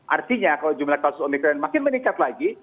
artinya kalau jumlah kasus omikron makin meningkat lagi